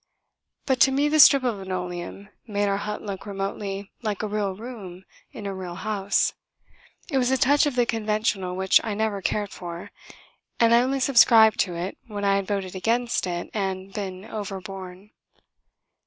But to me the strip of linoleum made our hut look remotely like a real room in a real house: it was a touch of the conventional which I never cared for, and I only subscribed to it when I had voted against it and been overborne.